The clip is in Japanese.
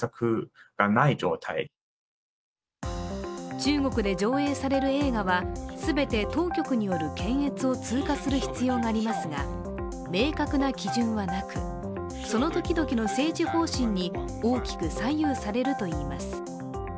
中国で上映される映画は全て当局による検閲を通過する必要がありますが明確な基準はなくその時々の政治方針に大きく左右されるといいます。